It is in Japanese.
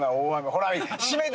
ほら。